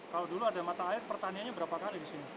kalau dulu ada mata air pertaniannya berapa kali di sini